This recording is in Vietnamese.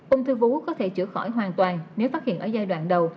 ung thư vú có thể chữa khỏi hoàn toàn nếu phát hiện ở giai đoạn đầu